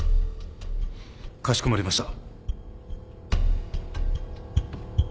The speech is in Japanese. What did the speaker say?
かしこまりました。